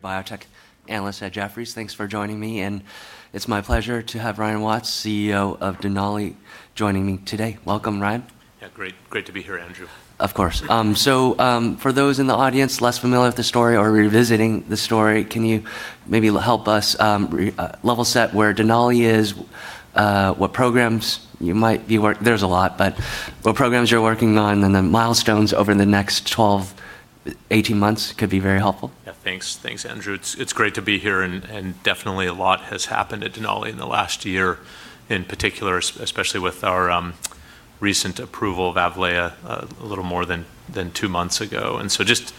your biotech analyst at Jefferies. Thanks for joining me, and it's my pleasure to have Ryan Watts, CEO of Denali, joining me today. Welcome, Ryan. Yeah, great to be here, Andrew. Of course. For those in the audience less familiar with the story or revisiting the story, can you maybe help us level set where Denali is, There's a lot, but what programs you're working on, milestones over the next 12, 18 months could be very helpful. Yeah. Thanks, Andrew. It's great to be here. Definitely a lot has happened at Denali in the last year, in particular, especially with our recent approval of AVLAYAH a little more than two months ago. Just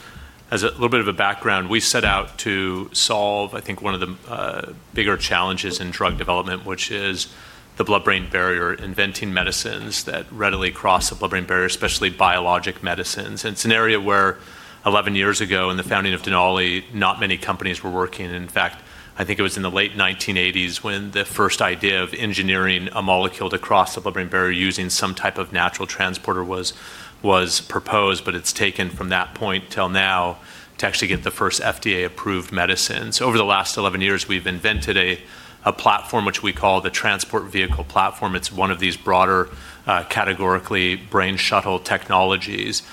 as a little bit of a background, we set out to solve, I think, one of the bigger challenges in drug development, which is the blood-brain barrier, inventing medicines that readily cross the blood-brain barrier, especially biologic medicines. It's an area where 11 years ago, in the founding of Denali, not many companies were working. In fact, I think it was in the late 1980s when the first idea of engineering a molecule to cross the blood-brain barrier using some type of natural transporter was proposed, but it's taken from that point till now to actually get the first FDA-approved medicine. Over the last 11 years, we've invented a platform, which we call the Transport Vehicle platform. It's one of these broader categorically brain shuttle technologies,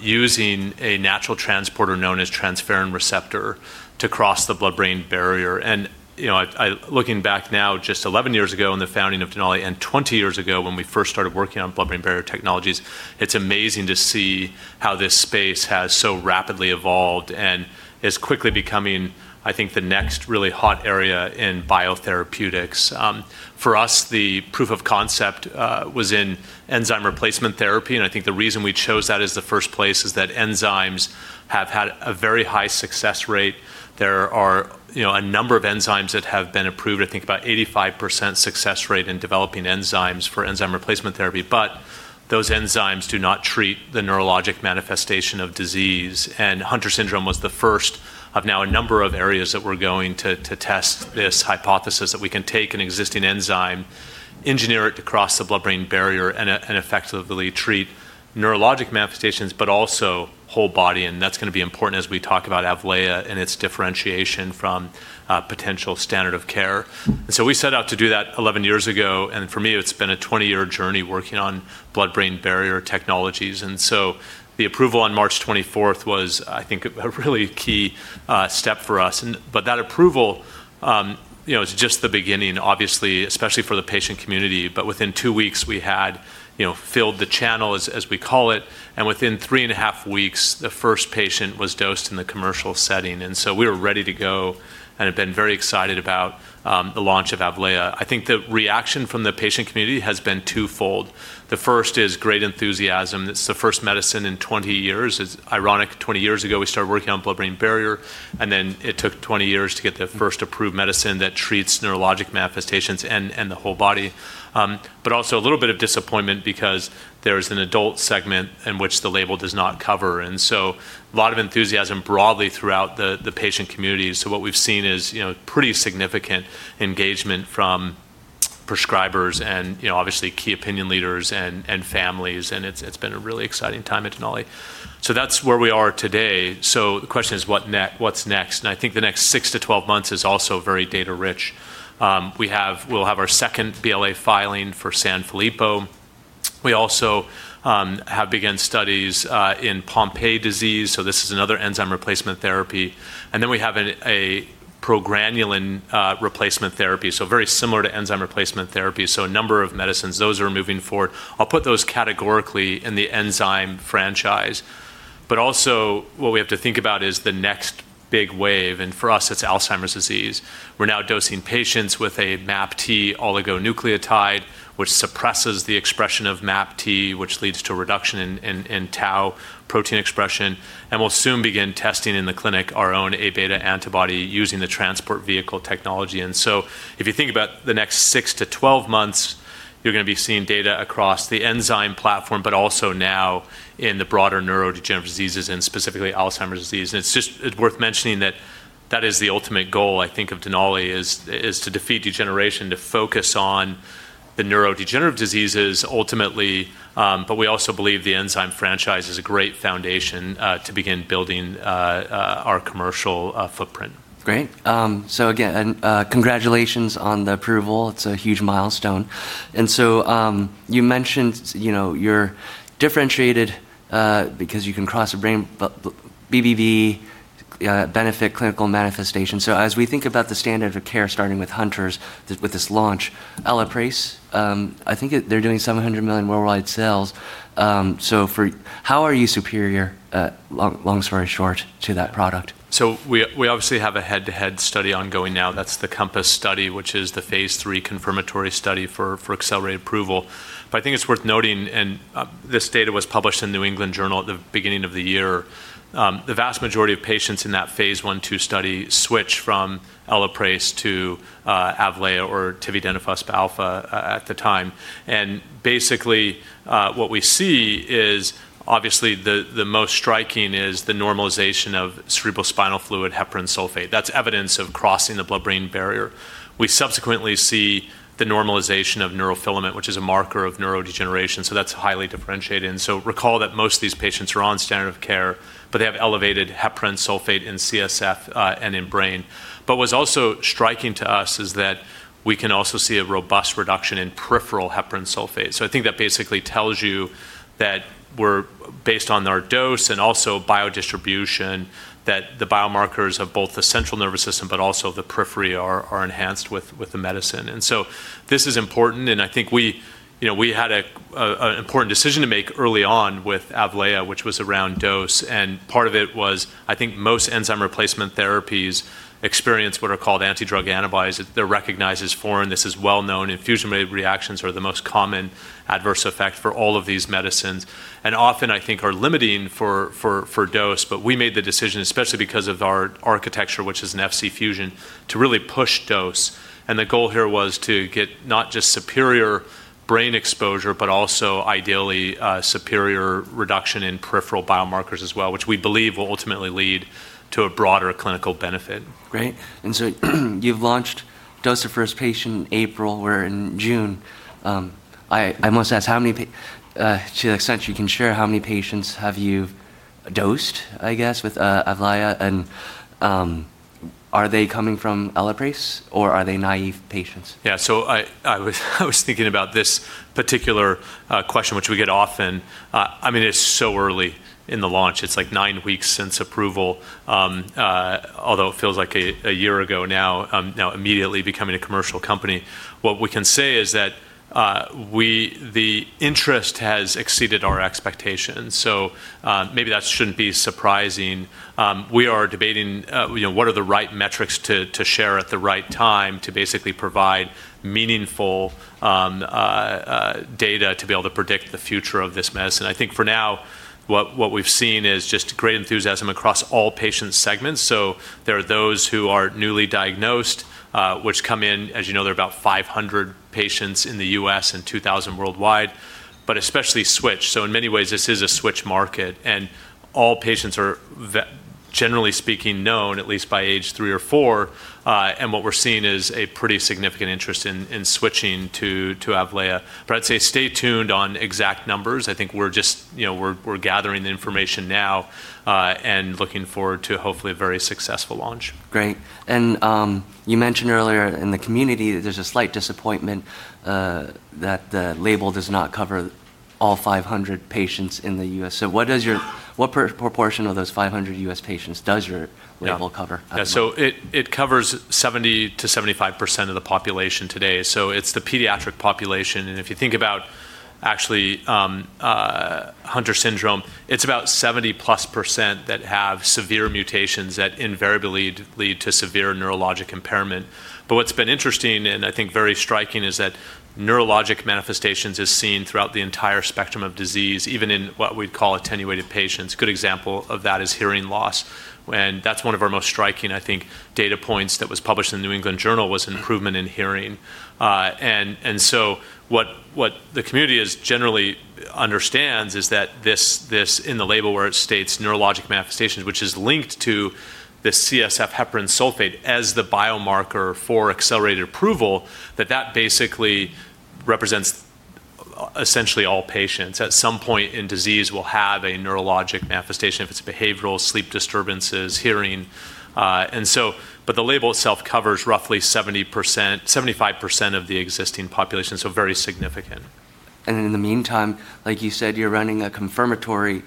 using a natural transporter known as transferrin receptor to cross the blood-brain barrier. Looking back now, just 11 years ago in the founding of Denali, and 20 years ago when we first started working on blood-brain barrier technologies, it's amazing to see how this space has so rapidly evolved and is quickly becoming, I think, the next really hot area in biotherapeutics. For us, the proof of concept was in enzyme replacement therapy, and I think the reason we chose that as the first place is that enzymes have had a very high success rate. There are a number of enzymes that have been approved, I think about 85% success rate in developing enzymes for enzyme replacement therapy, but those enzymes do not treat the neurologic manifestation of disease. Hunter syndrome was the first of now a number of areas that we're going to test this hypothesis that we can take an existing enzyme, engineer it to cross the blood-brain barrier, and effectively treat neurologic manifestations, but also whole body, that's going to be important as we talk about AVLAYAH and its differentiation from potential standard of care. We set out to do that 11 years ago, and for me, it's been a 20-year journey working on blood-brain barrier technologies. The approval on March 24th was, I think, a really key step for us. That approval is just the beginning, obviously, especially for the patient community. Within two weeks, we had filled the channel, as we call it, and within three and a half weeks, the first patient was dosed in the commercial setting. We were ready to go and have been very excited about the launch of AVLAYAH. I think the reaction from the patient community has been twofold. The first is great enthusiasm. It's the first medicine in 20 years. It's ironic, 20 years ago, we started working on blood-brain barrier, and then it took 20 years to get the first approved medicine that treats neurologic manifestations and the whole body. Also a little bit of disappointment because there's an adult segment in which the label does not cover. A lot of enthusiasm broadly throughout the patient community. What we've seen is pretty significant engagement from prescribers and obviously key opinion leaders and families, and it's been a really exciting time at Denali. That's where we are today. The question is what's next? I think the next 6-12 months is also very data-rich. We'll have our second BLA filing for Sanfilippo. We also have begun studies in Pompe disease, so this is another enzyme replacement therapy. We have a progranulin replacement therapy, so very similar to enzyme replacement therapy. A number of medicines. Those are moving forward. I'll put those categorically in the enzyme franchise. What we have to think about is the next big wave, and for us, it's Alzheimer's disease. We're now dosing patients with a MAPT oligonucleotide, which suppresses the expression of MAPT, which leads to a reduction in tau protein expression. We'll soon begin testing in the clinic our own Abeta antibody using the Transport Vehicle technology. If you think about the next six to 12 months, you're going to be seeing data across the enzyme platform, but also now in the broader neurodegenerative diseases, and specifically Alzheimer's disease. It's just worth mentioning that that is the ultimate goal, I think, of Denali, is to defeat degeneration, to focus on the neurodegenerative diseases ultimately. We also believe the enzyme franchise is a great foundation to begin building our commercial footprint. Great. Again, congratulations on the approval. It's a huge milestone. You mentioned you're differentiated because you can cross a BBB benefit clinical manifestation. As we think about the standard of care, starting with Hunters, with this launch, ELAPRASE, I think they're doing $700 million worldwide sales. How are you superior, long story short, to that product? We obviously have a head-to-head study ongoing now. That's the COMPASS study, which is the phase III confirmatory study for Accelerated Approval. I think it's worth noting, and this data was published in New England Journal at the beginning of the year, the vast majority of patients in that phase I/II study switched from ELAPRASE to AVLAYAH or tividenofusp alfa at the time. Basically, what we see is, obviously, the most striking is the normalization of cerebrospinal fluid heparan sulfate. That's evidence of crossing the blood-brain barrier. We subsequently see the normalization of neurofilament, which is a marker of neurodegeneration. That's highly differentiated. Recall that most of these patients are on standard of care, but they have elevated heparan sulfate in CSF and in brain. What's also striking to us is that we can also see a robust reduction in peripheral heparan sulfate. I think that basically tells you that based on our dose and also biodistribution, that the biomarkers of both the central nervous system, but also the periphery are enhanced with the medicine. This is important, and I think we had an important decision to make early on with AVLAYAH, which was around dose. Part of it was, I think most enzyme replacement therapies experience what are called anti-drug antibodies that recognizes foreign. This is well known. Infusion-related reactions are the most common adverse effect for all of these medicines, and often I think are limiting for dose. We made the decision, especially because of our architecture, which is an Fc fusion, to really push dose. The goal here was to get not just superior brain exposure, but also ideally, superior reduction in peripheral biomarkers as well, which we believe will ultimately lead to a broader clinical benefit. Great. You've dosed first patient in April. We're in June. To the extent you can share, how many patients have you dosed, I guess, with AVLAYAH, and are they coming from ELAPRASE or are they naive patients? Yeah. I was thinking about this particular question, which we get often. It's so early in the launch. It's nine weeks since approval. Although it feels like a year ago now immediately becoming a commercial company. What we can say is that the interest has exceeded our expectations. Maybe that shouldn't be surprising. We are debating what are the right metrics to share at the right time to basically provide meaningful data to be able to predict the future of this medicine. I think for now, what we've seen is just great enthusiasm across all patient segments. There are those who are newly diagnosed, which come in. As you know, there are about 500 patients in the U.S. and 2,000 worldwide, but especially switch. In many ways, this is a switch market, and all patients are, generally speaking, known at least by age three or four. What we're seeing is a pretty significant interest in switching to AVLAYAH. I'd say stay tuned on exact numbers. I think we're gathering the information now, and looking forward to hopefully a very successful launch. Great. You mentioned earlier in the community that there's a slight disappointment that the label does not cover all 500 patients in the U.S. What proportion of those 500 U.S. patients does your label cover? Yeah. It covers 70%-75% of the population today. It's the pediatric population, and if you think about actually Hunter syndrome, it's about 70%+ that have severe mutations that invariably lead to severe neurologic impairment. What's been interesting, and I think very striking, is that neurologic manifestations is seen throughout the entire spectrum of disease, even in what we'd call attenuated patients. Good example of that is hearing loss, and that's one of our most striking, I think, data points that was published in New England Journal, was an improvement in hearing. What the community generally understands is that this, in the label where it states neurologic manifestations, which is linked to the CSF heparan sulfate as the biomarker for Accelerated Approval, that that basically represents essentially all patients. At some point in disease, we'll have a neurologic manifestation if it's behavioral, sleep disturbances, hearing. The label itself covers roughly 75% of the existing population, very significant. In the meantime, like you said, you're running a confirmatory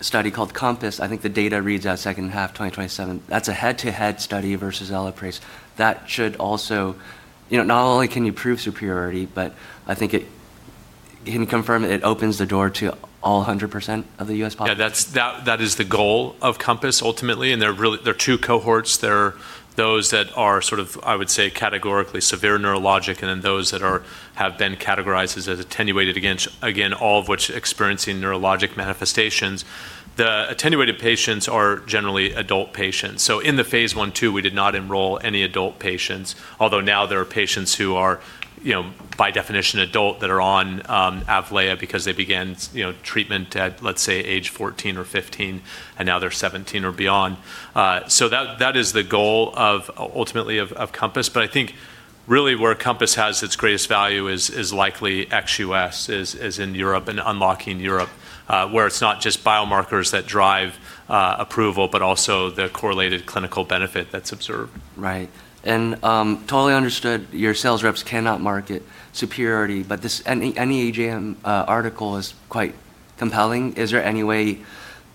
study called COMPASS. I think the data reads out second half 2027. That's a head-to-head study versus ELAPRASE. Not only can you prove superiority, but I think it can confirm it opens the door to all 100% of the U.S. population. Yeah, that is the goal of COMPASS ultimately, and there are two cohorts. There are those that are sort of, I would say, categorically severe neurologic, and then those that have been categorized as attenuated. Again, all of which experiencing neurologic manifestations. The attenuated patients are generally adult patients. In the phase I, II, we did not enroll any adult patients, although now there are patients who are, by definition, adult that are on AVLAYAH because they began treatment at, let's say, age 14 or 15, and now they're 17 or beyond. That is the goal ultimately of COMPASS. I think really where COMPASS has its greatest value is likely ex-U.S., as in Europe and unlocking Europe, where it's not just biomarkers that drive approval, but also the correlated clinical benefit that's observed. Right. Totally understood your sales reps cannot market superiority, but any NEJM article is quite compelling. Is there any way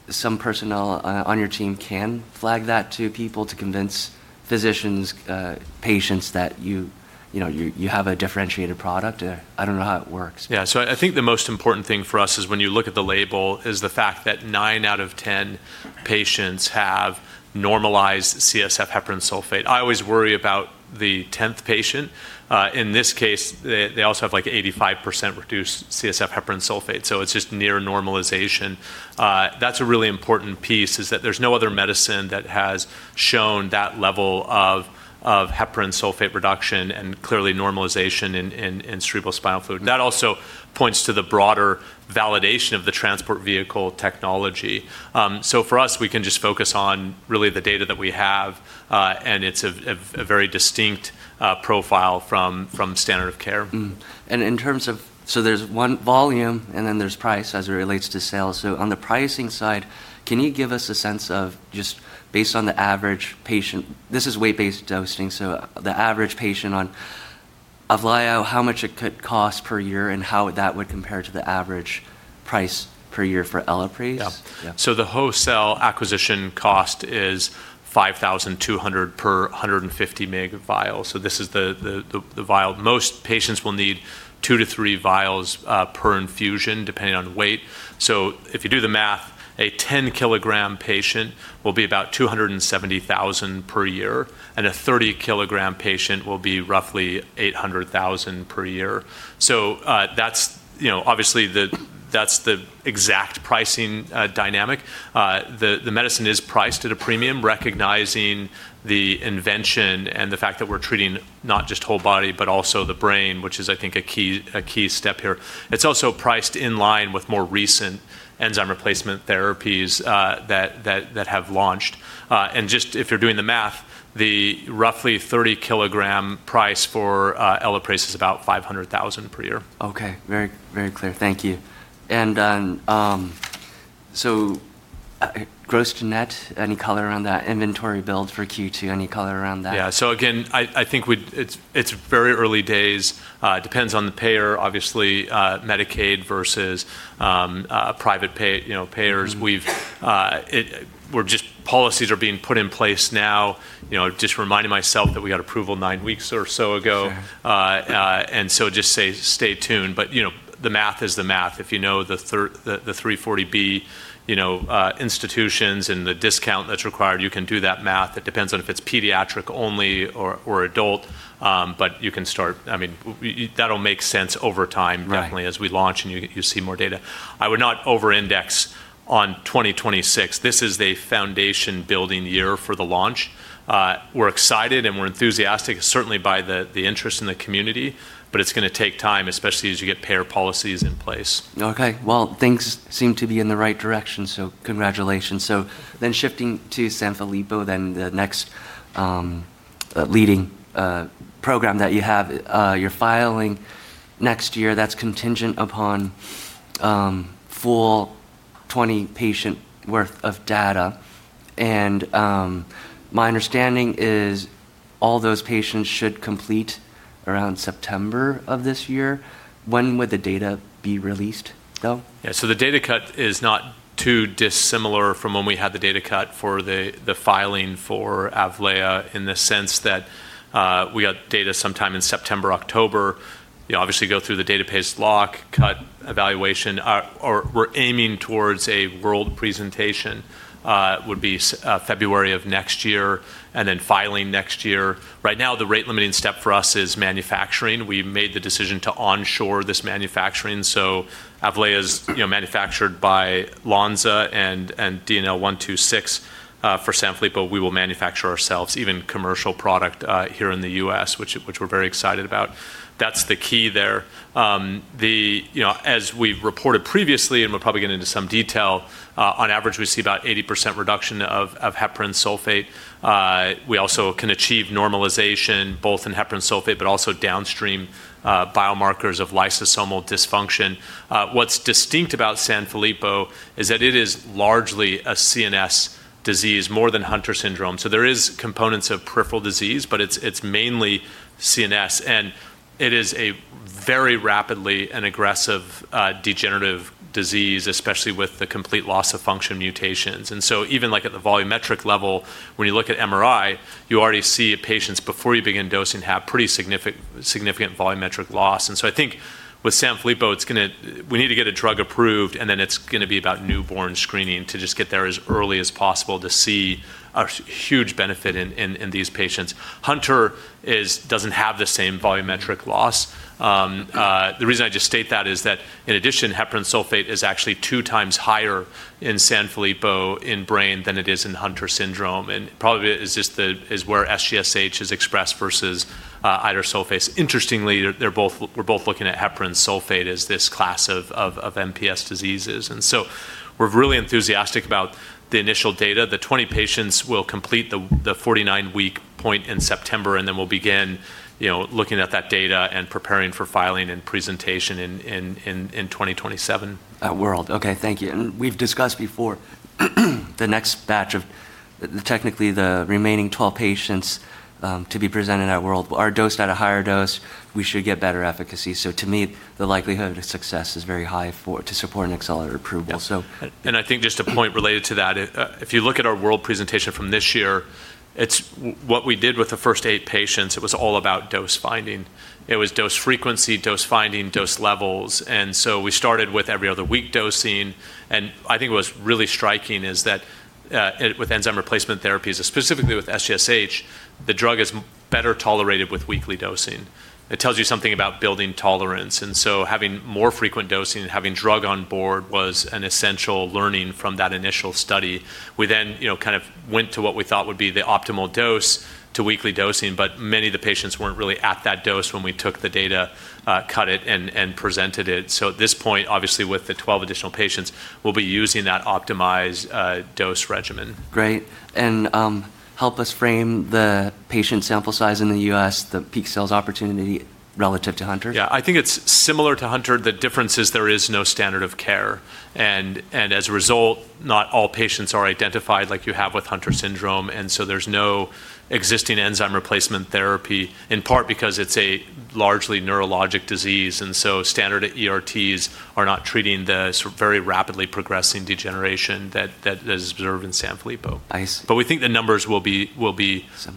some personnel on your team can flag that to people to convince physicians, patients that you have a differentiated product? I don't know how it works. Yeah. I think the most important thing for us is when you look at the label, is the fact that nine out of 10 patients have normalized CSF heparan sulfate. I always worry about the 10th patient. In this case, they also have 85% reduced CSF heparan sulfate, so it's just near normalization. That's a really important piece, is that there's no other medicine that has shown that level of heparan sulfate reduction and clearly normalization in cerebrospinal fluid. That also points to the broader validation of the Transport Vehicle technology. For us, we can just focus on really the data that we have, and it's a very distinct profile from standard of care. There's volume, and then there's price as it relates to sales. On the pricing side, can you give us a sense of just based on the average patient, this is weight-based dosing, the average patient on AVLAYAH, how much it could cost per year and how that would compare to the average price per year for ELAPRASE? Yeah. Yeah. The wholesale acquisition cost is $5,200 per 150 mg vial. This is the vial. Most patients will need two to three vials per infusion, depending on weight. If you do the math, a 10-kilogram patient will be about $270,000 per year, and a 30-kilogram patient will be roughly $800,000 per year. Obviously that's the exact pricing dynamic. The medicine is priced at a premium, recognizing the invention and the fact that we're treating not just whole body, but also the brain, which is, I think, a key step here. It's also priced in line with more recent enzyme replacement therapies that have launched. If you're doing the math, the roughly 30-kilogram price for ELAPRASE is about $500,000 per year. Okay. Very clear. Thank you. Gross to net, any color on that? Inventory build for Q2, any color around that? Again, I think it's very early days. Depends on the payer, obviously, Medicaid versus private payers. Policies are being put in place now. Just reminding myself that we got approval nine weeks or so ago. Sure. Just stay tuned. The math is the math. If you know the 340B institutions and the discount that's required, you can do that math. It depends on if it's pediatric only or adult. That'll make sense over time. Right Definitely, as we launch and you see more data. I would not over-index on 2026. This is a foundation-building year for the launch. We're excited and we're enthusiastic, certainly by the interest in the community, but it's going to take time, especially as you get payer policies in place. Okay. Well, things seem to be in the right direction, congratulations. Shifting to Sanfilippo, the next leading program that you have. You're filing next year. That's contingent upon full 20 patient worth of data, and my understanding is all those patients should complete around September of this year. When would the data be released, though? The data cut is not too dissimilar from when we had the data cut for the filing for AVLAYAH, in the sense that we got data sometime in September, October. You obviously go through the database lock, cut, evaluation. We're aiming towards a WORLDSymposium presentation would be February of next year, filing next year. Right now, the rate limiting step for us is manufacturing. We made the decision to onshore this manufacturing. AVLAYAH's manufactured by Lonza and DNL126. For Sanfilippo, we will manufacture ourselves, even commercial product here in the U.S., which we're very excited about. That's the key there. As we've reported previously, we'll probably get into some detail, on average, we see about 80% reduction of heparan sulfate. We also can achieve normalization both in heparan sulfate, also downstream biomarkers of lysosomal dysfunction. What's distinct about Sanfilippo is that it is largely a CNS disease more than Hunter syndrome. There is components of peripheral disease, but it's mainly CNS, and it is a very rapidly and aggressive degenerative disease, especially with the complete loss of function mutations. Even at the volumetric level, when you look at MRI, you already see patients, before you begin dosing, have pretty significant volumetric loss. I think with Sanfilippo, we need to get a drug approved, and then it's going to be about newborn screening to just get there as early as possible to see a huge benefit in these patients. Hunter doesn't have the same volumetric loss. The reason I just state that is that in addition, heparan sulfate is actually two times higher in Sanfilippo in brain than it is in Hunter syndrome, and probably is where SGSH is expressed versus idursulfase. Interestingly, we're both looking at heparan sulfate as this class of MPS diseases. We're really enthusiastic about the initial data. The 20 patients will complete the 49-week point in September, and then we'll begin looking at that data and preparing for filing and presentation in 2027. At WORLDSymposium. Okay, thank you. We've discussed before the next batch of, technically the remaining 12 patients to be presented at WORLDSymposium, are dosed at a higher dose, we should get better efficacy. To me, the likelihood of success is very high to support an accelerated approval. I think just a point related to that, if you look at our WORLDSymposium presentation from this year, what we did with the first eight patients, it was all about dose finding. It was dose frequency, dose finding, dose levels. So we started with every other week dosing, and I think what was really striking is that, with enzyme replacement therapies, specifically with SGSH, the drug is better tolerated with weekly dosing. It tells you something about building tolerance. So having more frequent dosing and having drug on board was an essential learning from that initial study. We then kind of went to what we thought would be the optimal dose to weekly dosing, but many of the patients weren't really at that dose when we took the data, cut it, and presented it. At this point, obviously with the 12 additional patients, we'll be using that optimized dose regimen. Great. help us frame the patient sample size in the U.S., the peak sales opportunity relative to Hunter? Yeah, I think it's similar to Hunter. The difference is there is no standard of care. As a result, not all patients are identified like you have with Hunter syndrome, and so there's no existing enzyme replacement therapy, in part because it's a largely neurologic disease. Standard ERTs are not treating the very rapidly progressing degeneration that is observed in Sanfilippo. Nice. We think the numbers will be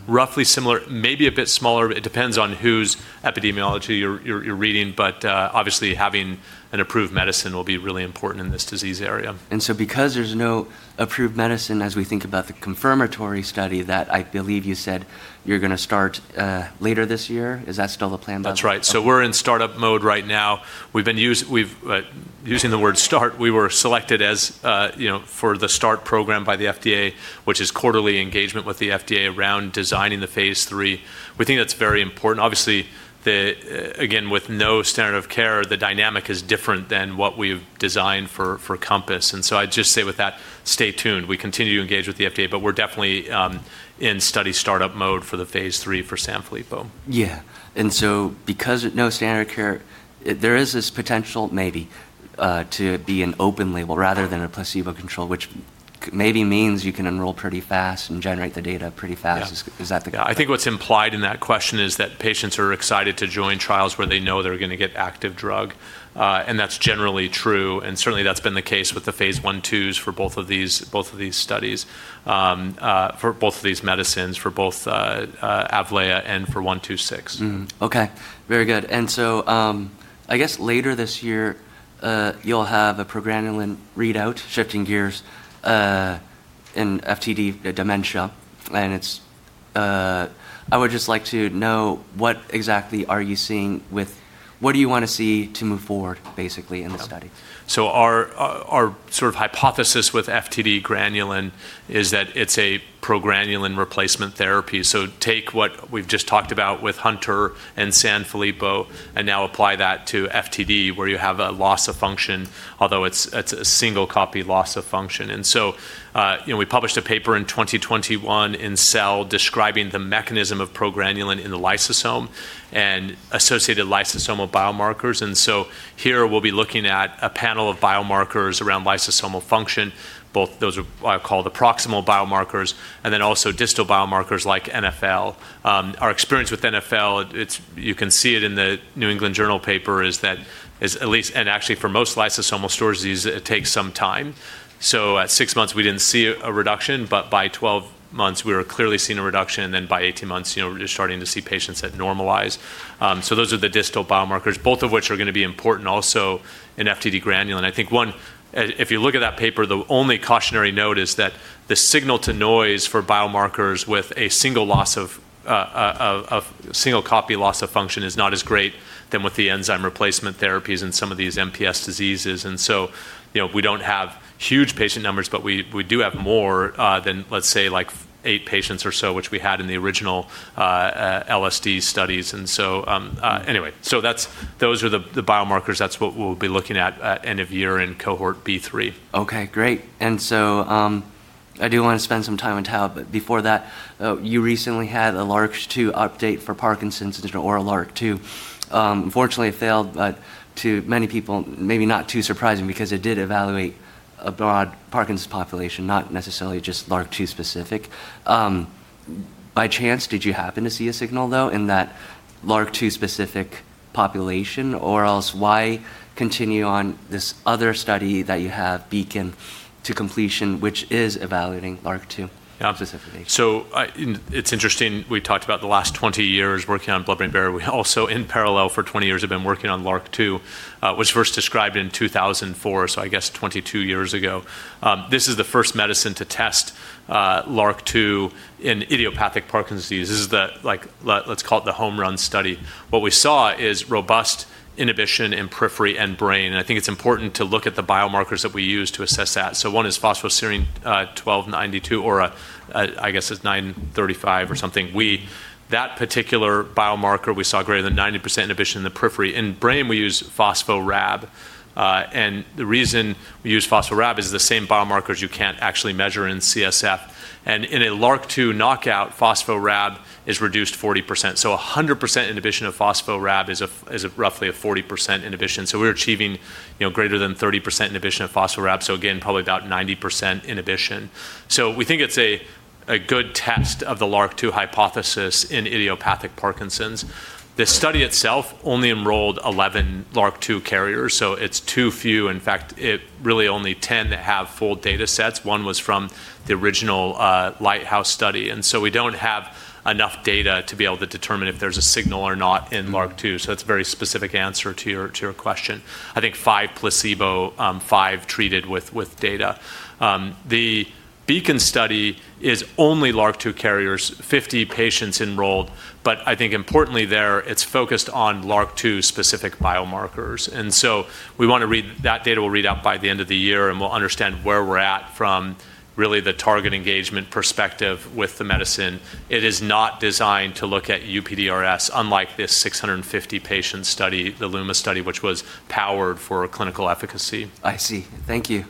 roughly similar, maybe a bit smaller. It depends on whose epidemiology you're reading. Obviously having an approved medicine will be really important in this disease area. Because there's no approved medicine, as we think about the confirmatory study that I believe you said you're going to start later this year, is that still the plan though? That's right. We're in startup mode right now. Using the word start, we were selected for the START program by the FDA, which is quarterly engagement with the FDA around designing the phase III. We think that's very important. Obviously, again, with no standard of care, the dynamic is different than what we've designed for COMPASS. I'd just say with that, stay tuned. We continue to engage with the FDA, but we're definitely in study startup mode for the phase III for Sanfilippo. Because no standard of care, there is this potential maybe to be an open label rather than a placebo control, which maybe means you can enroll pretty fast and generate the data pretty fast. Yeah. Is that the case? I think what's implied in that question is that patients are excited to join trials where they know they're going to get active drug. That's generally true, and certainly that's been the case with the phase I/II's for both of these studies, for both of these medicines, for both AVLAYAH and for DNL126. Okay, very good. I guess later this year, you'll have a progranulin readout, shifting gears, in FTD dementia. I would just like to know what do you want to see to move forward, basically, in the study? Our sort of hypothesis with FTD-GRN is that it's a progranulin replacement therapy. Take what we've just talked about with Hunter and Sanfilippo, and now apply that to FTD, where you have a loss of function, although it's a single copy loss of function. We published a paper in 2021 in Cell describing the mechanism of progranulin in the lysosome and associated lysosomal biomarkers. Here, we'll be looking at a panel of biomarkers around lysosomal function, both those are called the proximal biomarkers, and then also distal biomarkers like NFL. Our experience with NFL, you can see it in the New England Journal paper, is that at least, and actually for most lysosomal storage disease, it takes some time. At six months, we didn't see a reduction, but by 12 months, we were clearly seeing a reduction. By 18 months, we're just starting to see patients that normalize. Those are the distal biomarkers, both of which are going to be important also in FTD granulin. I think, one, if you look at that paper, the only cautionary note is that the signal to noise for biomarkers with a single copy loss of function is not as great than with the enzyme replacement therapies in some of these MPS diseases. We don't have huge patient numbers, but we do have more than, let's say, eight patients or so, which we had in the original LSD studies. Those are the biomarkers. That's what we'll be looking at end of year in cohort B3. Okay, great. I do want to spend some time on tau, but before that, you recently had a LRRK2 update for Parkinson's, oral LRRK2. Unfortunately, it failed. To many people, maybe not too surprising because it did evaluate a broad Parkinson's population, not necessarily just LRRK2 specific. By chance, did you happen to see a signal though in that LRRK2 specific population? Why continue on this other study that you have, BEACON, to completion, which is evaluating LRRK2 specifically? It's interesting. We talked about the last 20 years working on blood-brain barrier. We also, in parallel for 20 years, have been working on LRRK2, which was first described in 2004, so I guess 22 years ago. This is the first medicine to test LRRK2 in idiopathic Parkinson's disease. This is the, let's call it the home run study. What we saw is robust inhibition in periphery and brain. I think it's important to look at the biomarkers that we use to assess that. One is phosphoserine 129 or, I guess it's 935 or something. That particular biomarker, we saw greater than 90% inhibition in the periphery. In brain, we use phospho-Rab. The reason we use phospho-Rab is the same biomarkers you can't actually measure in CSF. In a LRRK2 knockout, phospho-Rab is reduced 40%. 100% inhibition of phospho-Rab is roughly a 40% inhibition. We're achieving greater than 30% inhibition of phospho-Rab, again, probably about 90% inhibition. We think it's a good test of the LRRK2 hypothesis in idiopathic Parkinson's. The study itself only enrolled 11 LRRK2 carriers, it's too few. In fact, really only 10 have full data sets. One was from the original LIGHTHOUSE study. We don't have enough data to be able to determine if there's a signal or not in LRRK2. It's a very specific answer to your question. I think five placebo, five treated with data. The BEACON study is only LRRK2 carriers, 50 patients enrolled. I think importantly there, it's focused on LRRK2 specific biomarkers. That data we'll read out by the end of the year, and we'll understand where we're at from really the target engagement perspective with the medicine. It is not designed to look at UPDRS, unlike this 650-patient study, the LUMA study, which was powered for clinical efficacy. I see. Thank you.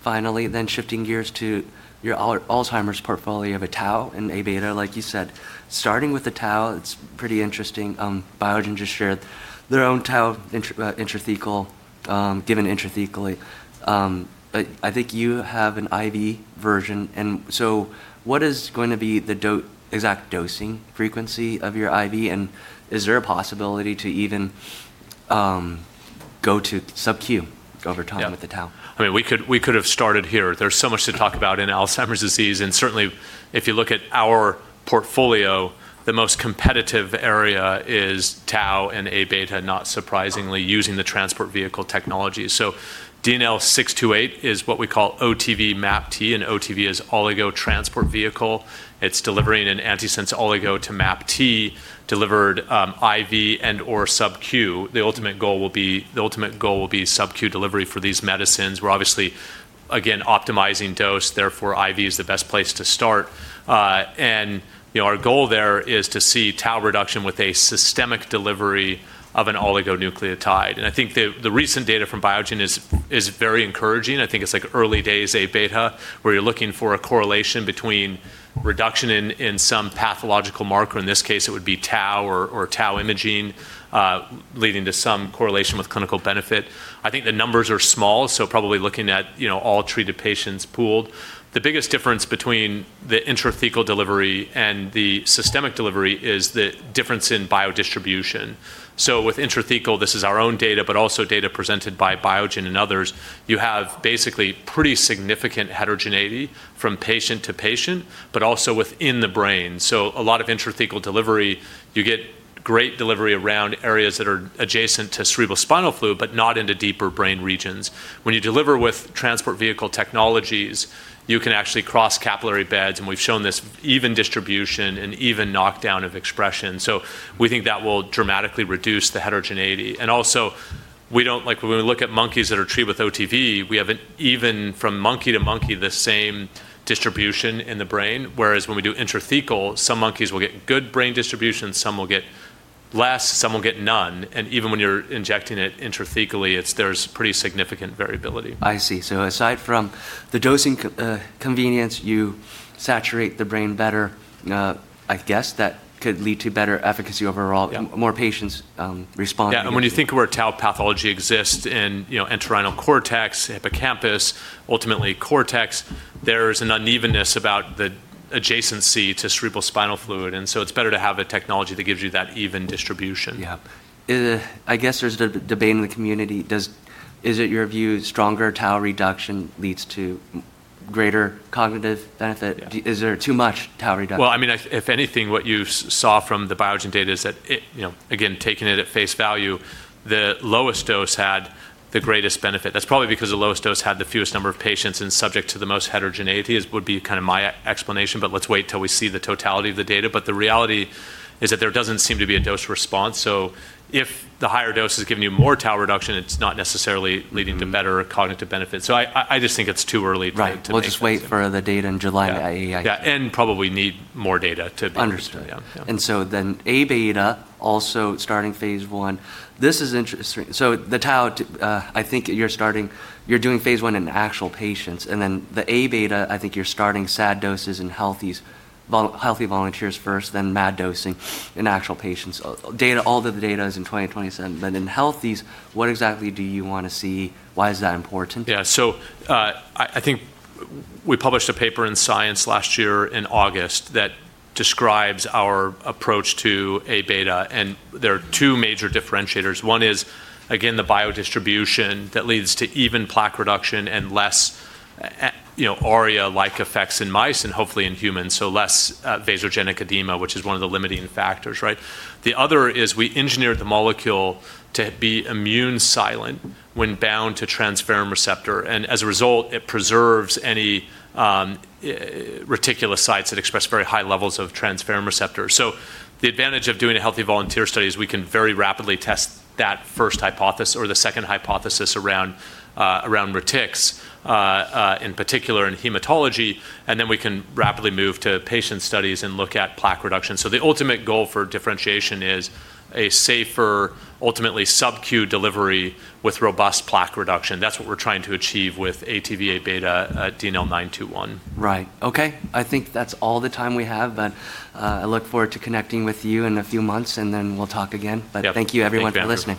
Finally, shifting gears to your Alzheimer's portfolio of a tau and Abeta, like you said. Starting with the tau, it's pretty interesting. Biogen just shared their own tau given intrathecally. I think you have an IV version. What is going to be the exact dosing frequency of your IV, and is there a possibility to even go to sub-Q over time? Yeah with the tau? We could have started here. There's so much to talk about in Alzheimer's disease. Certainly, if you look at our portfolio, the most competitive area is tau and Abeta, not surprisingly, using the Transport Vehicle technology. DNL628 is what we call OTV:MAPT, and OTV is Oligo Transport Vehicle. It's delivering an antisense oligonucleotide to MAPT, delivered IV and/or sub-Q. The ultimate goal will be sub-Q delivery for these medicines, where obviously, again, optimizing dose, therefore IV is the best place to start. Our goal there is to see tau reduction with a systemic delivery of an oligonucleotide. I think the recent data from Biogen is very encouraging. I think it's early days Abeta, where you're looking for a correlation between reduction in some pathological marker, in this case it would be tau or tau imaging, leading to some correlation with clinical benefit. I think the numbers are small, probably looking at all treated patients pooled. The biggest difference between the intrathecal delivery and the systemic delivery is the difference in biodistribution. With intrathecal, this is our own data, but also data presented by Biogen and others. You have basically pretty significant heterogeneity from patient to patient, but also within the brain. A lot of intrathecal delivery, you get great delivery around areas that are adjacent to cerebrospinal fluid, but not into deeper brain regions. When you deliver with Transport Vehicle technologies, you can actually cross capillary beds, and we've shown this even distribution and even knockdown of expression. We think that will dramatically reduce the heterogeneity. Also when we look at monkeys that are treated with OTV, we have an even from monkey to monkey, the same distribution in the brain. Whereas when we do intrathecal, some monkeys will get good brain distribution, some will get less, some will get none. Even when you're injecting it intrathecally, there's pretty significant variability. I see. Aside from the dosing convenience, you saturate the brain better. I guess that could lead to better efficacy overall. Yeah. More patients respond. Yeah. When you think of where tau pathology exists in entorhinal cortex, hippocampus, ultimately cortex, there's an unevenness about the adjacency to cerebrospinal fluid. It's better to have a technology that gives you that even distribution. Yeah. I guess there's debate in the community. Is it your view stronger tau reduction leads to greater cognitive benefit? Yeah. Is there too much tau reduction? Well, if anything, what you saw from the Biogen data is that, again, taking it at face value, the lowest dose had the greatest benefit. That's probably because the lowest dose had the fewest number of patients and subject to the most heterogeneity, would be my explanation, but let's wait until we see the totality of the data. The reality is that there doesn't seem to be a dose response. If the higher dose is giving you more tau reduction, it's not necessarily leading to better cognitive benefit. I just think it's too early to make that decision. Right. We'll just wait for the data in July at AAIC. Yeah. Probably need more data to be clear. Understood. Yeah. Abeta also starting phase I. This is interesting. The tau, I think you're doing phase I in actual patients. The Abeta, I think you're starting SAD doses in healthy volunteers first, then MAD dosing in actual patients. All the data is in 2027. In healthies, what exactly do you want to see? Why is that important? Yeah. I think we published a paper in Science last year in August that describes our approach to Abeta, and there are two major differentiators. One is, again, the biodistribution that leads to even plaque reduction and less ARIA-like effects in mice and hopefully in humans, so less vasogenic edema, which is one of the limiting factors. The other is we engineered the molecule to be immune silent when bound to transferrin receptor, and as a result, it preserves any reticulocytes that express very high levels of transferrin receptors. The advantage of doing a healthy volunteer study is we can very rapidly test that first hypothesis or the second hypothesis around retics, in particular in hematology, and then we can rapidly move to patient studies and look at plaque reduction. The ultimate goal for differentiation is a safer, ultimately sub-Q delivery with robust plaque reduction. That's what we're trying to achieve with ATV:Abeta, DNL921. Right. Okay. I think that's all the time we have. I look forward to connecting with you in a few months, and then we'll talk again. Yeah. Thank you everyone for listening.